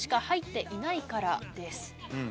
入っていないからです。